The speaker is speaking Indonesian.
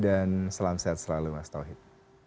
dan selam sehat selalu mas tauhid